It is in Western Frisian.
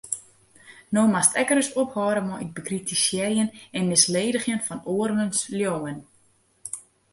No moatst ek ris ophâlde mei it bekritisearjen en misledigjen fan oarmans leauwen.